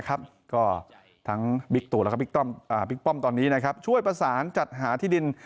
ก็ทั้งบิ๊กตู่แล้วก็บิ๊กป้อมตอนนี้ช่วยประสานจัดหาที่ดิน